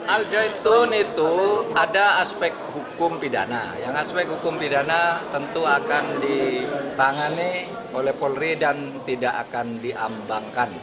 al zaitun itu ada aspek hukum pidana yang aspek hukum pidana tentu akan ditangani oleh polri dan tidak akan diambangkan